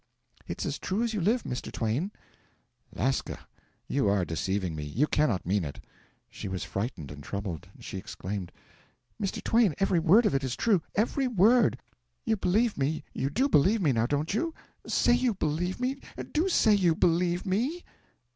'It's as true as you live, Mr. Twain!' 'Lasca, you are deceiving me you cannot mean it.' She was frightened and troubled. She exclaimed: 'Mr. Twain, every word of it is true every word. You believe me you do believe me, now don't you? Say you believe me do say you believe me!'